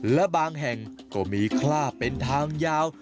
และบางแห่งก็มีคลาบเป็นทางยาว